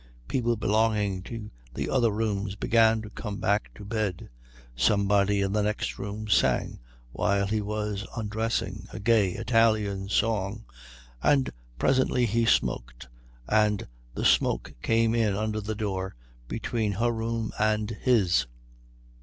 People belonging to the other rooms began to come back to bed. Somebody in the next room sang while he was undressing, a gay Italian song, and presently he smoked, and the smoke came in under the door between her room and his.